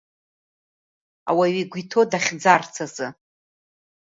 Ауаҩы игәы иҭоу дахьӡарц азы…